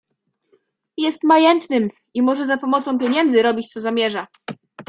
"Jest majętnym i może za pomocą pieniędzy robić co zamierza."